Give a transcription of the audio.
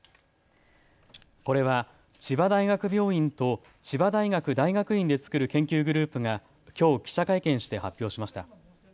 これは千葉大学病院と千葉大学大学院で作る研究グループがきょう記者会見して発表しました。